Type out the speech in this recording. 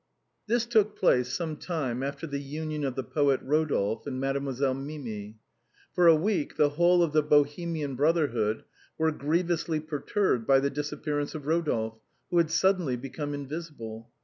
This took place some time after the union of the poet Rodolphe with Mademoiselle Mimi. For a week the whole of the Bohemian brotherhood were grievously perturbed by the disappearance of Rodolphe, who had suddenly become invisible.